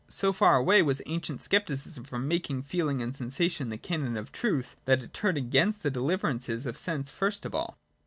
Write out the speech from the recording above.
So far was ancient scepticism from making feeling and sensation the canon of truth, that it turned against the deliverances of sense first of all.